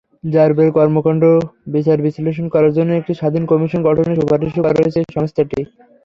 র্যাবের কর্মকাণ্ড বিচার-বিশ্লেষণ করার জন্য একটি স্বাধীন কমিশন গঠনের সুপারিশও করেছে সংস্থাটি।